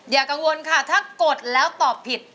อย่ากังวลค่ะถ้ากดแล้วตอบผิด